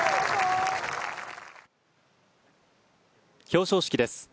表彰式です。